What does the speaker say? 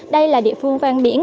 đây là địa phương vang biển